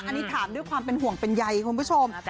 อันนี้ถามด้วยความเป็นห่วงเป็นใยคุณผู้ชม